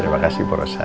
terima kasih bu rosa